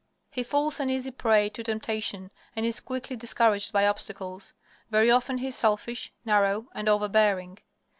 He falls an easy prey to temptation and is quickly discouraged by obstacles. Very often he is selfish, narrow, and overbearing.